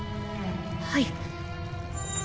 はい。